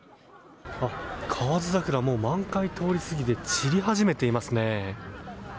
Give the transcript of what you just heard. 河津桜、満開を通り越して散り始めていますね。